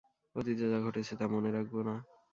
অতীতে যা ঘটেছে তা মনে রাখব না।